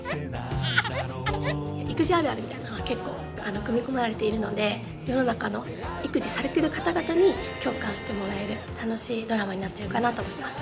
育児あるあるみたいなのが結構組み込まれているので世の中の育児されてる方々に共感してもらえる楽しいドラマになってるかなと思います。